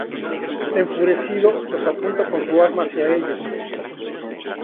Enfurecido, los apunta con su arma hacia ellos.